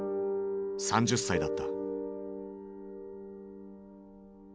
３０歳だった。